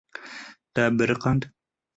Te biriqand.